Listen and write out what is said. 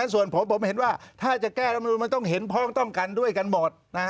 ส่วนผมผมเห็นว่าถ้าจะแก้รัฐมนุนมันต้องเห็นพ้องต้องกันด้วยกันหมด